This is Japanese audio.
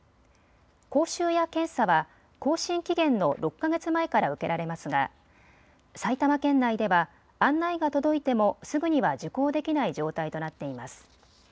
講習や検査は更新期限の６か月前から受けられますが埼玉県内では案内が届いてもすぐには受講できない状態となっています。